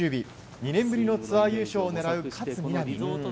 ２年ぶりのツアー優勝を狙う勝みなみ。